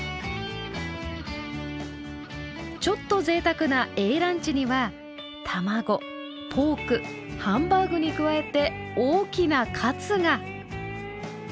ちょっとぜいたくなＡランチには卵ポークハンバーグに加えて大きなカツが。